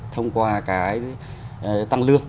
thông qua cái tăng lương